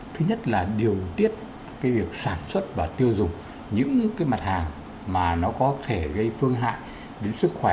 thứ nhất là điều tiết việc sản xuất và tiêu dùng những mặt hàng mà nó có thể gây phương hại